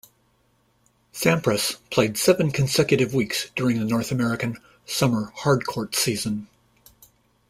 Sampras played seven consecutive weeks during the North American summer hard-court season.